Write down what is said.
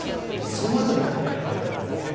その後に寒気が流れ込んできます。